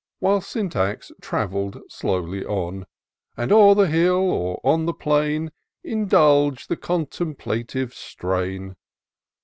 While Syntax travelled slowly on; And, o'er the hill, or on the plain, Indulg'd the contemplative strain.